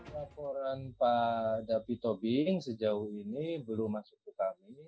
laporan pak david tobing sejauh ini belum masuk ke kami